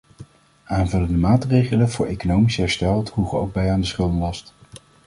Aanvullende maatregelen voor economisch herstel droegen ook bij aan de schuldenlast.